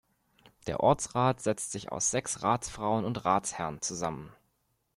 Der Ortsrat setzt sich aus sechs Ratsfrauen und Ratsherren zusammen.